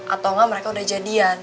atau enggak mereka udah jadian